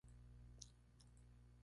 Hechos son amores y no buenas razones